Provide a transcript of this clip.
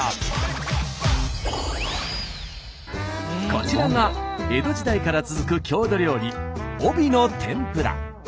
こちらが江戸時代から続く郷土料理飫肥の天ぷら。